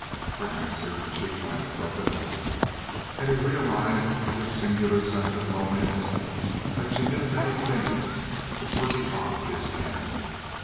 For answer she glanced up and laughed, and he realized with a singular sense of loneliness that she knew many things which were beyond his ken.